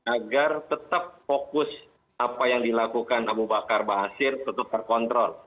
agar tetap fokus apa yang dilakukan abu bakar basir tetap terkontrol